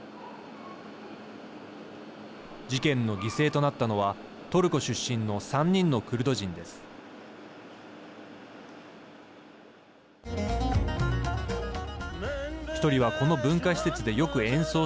事件の犠牲となったのはトルコ出身の３人のクルド人です。